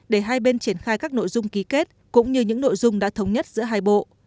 để hai bên triển khai các nội dung ký kết cũng như những nội dung đã thống nhất giữa hai bộ